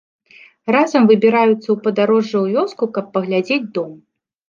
Разам выбіраюцца ў падарожжа ў вёску каб паглядзець дом.